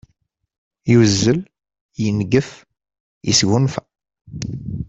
Yuzzel, yengef, yesgunfa.